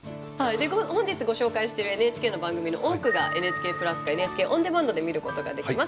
本日ご紹介してるＮＨＫの番組の多くがＮＨＫプラスかＮＨＫオンデマンドで見ることができます。